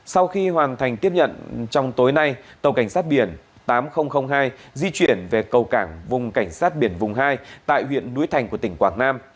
sau khi hoàn thành tiếp nhận trong tối nay tàu cảnh sát biển tám nghìn hai di chuyển về cầu cảng vùng cảnh sát biển vùng hai tại huyện núi thành của tỉnh quảng nam